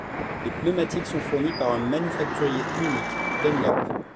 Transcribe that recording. Les pneumatiques sont fournis par un manufacturier unique, Dunlop.